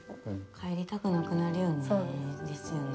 帰りたくなくなるよね？